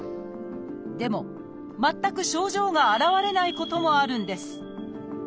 でも全く症状が現れないこともあるんです。